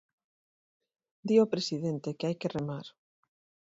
Di o presidente que hai que remar.